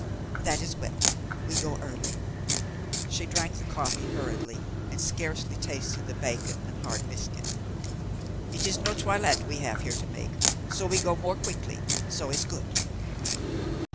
That is well we go early." She drank the coffee hurriedly and scarcely tasted the bacon and hard biscuit. "It is no toilet we have here to make. So we go more quickly. So is good."